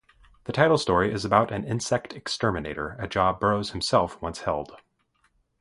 The title story is about an insect exterminator, a job Burroughs himself once held.